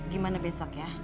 gimana besok ya